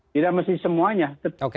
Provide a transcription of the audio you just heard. tidak mesti semuanya oke